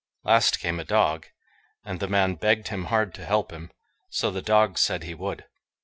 Last came a dog, and the man begged him hard to help him; so the dog said he would.